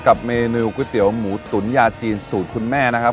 กับเมนูก๋วยเตี๋ยวหมูตุ๋นยาจีนสูตรคุณแม่นะครับ